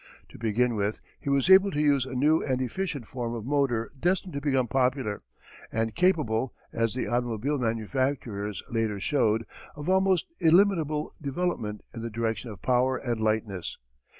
To begin with he was able to use a new and efficient form of motor destined to become popular, and capable, as the automobile manufacturers later showed, of almost illimitable development in the direction of power and lightness.